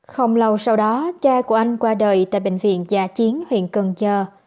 không lâu sau đó cha của anh qua đời tại bệnh viện gia chiến huyện cần chờ